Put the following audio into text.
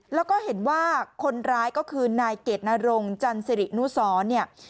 แล้วก็เห็นว่าคนร้ายก็คือนายเกดนรงจันสิรินุสรเนี่ย